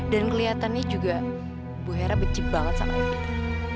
dan kelihatannya juga bu hera benci banget sama evita